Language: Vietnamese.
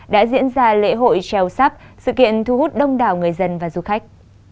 đã diễn ra lễ hội treo sắp sự kiện thu hút đông đảo người dân và du khách